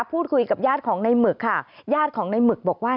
พูดคุยกับญาติของในหมึกค่ะญาติของในหมึกบอกว่า